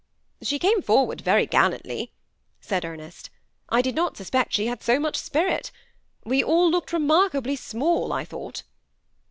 " She came forward very gallantly," said Ernest. " I did not suspect she had so much spirit. We all looked remarkably small, I thought."